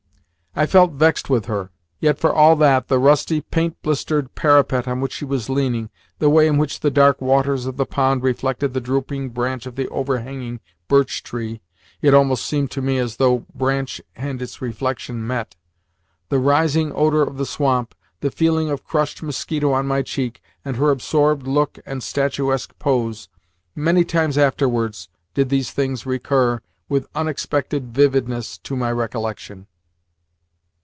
I felt vexed with her. Yet, for all that, the rusty, paint blistered parapet on which she was leaning, the way in which the dark waters of the pond reflected the drooping branch of the overhanging birch tree (it almost seemed to me as though branch and its reflection met), the rising odour of the swamp, the feeling of crushed mosquito on my cheek, and her absorbed look and statuesque pose many times afterwards did these things recur with unexpected vividness to my recollection.